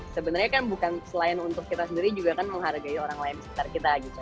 sebenarnya kan bukan selain untuk kita sendiri juga kan menghargai orang lain di sekitar kita gitu